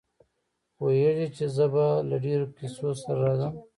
پوهېږي چې زه به له ډېرو کیسو سره راځم.